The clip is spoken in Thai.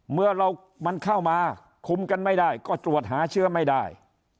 เมื่อเรามันเข้ามาคุมกันไม่ได้ก็ตรวจหาเชื้อไม่ได้